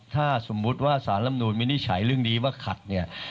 ถ้าสมมุติว่าสารลำนูนวินิจฉัยเรื่องนี้ว่าขัดเนี่ย